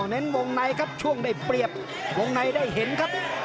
เน้นวงในครับช่วงได้เปรียบวงในได้เห็นครับ